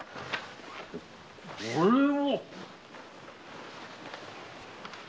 これは！